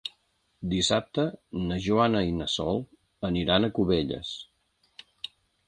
Dissabte na Joana i na Sol aniran a Cubelles.